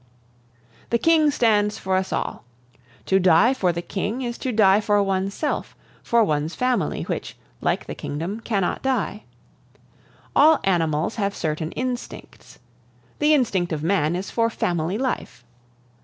"The King stands for us all. To die for the King is to die for oneself, for one's family, which, like the kingdom, cannot die. All animals have certain instincts; the instinct of man is for family life.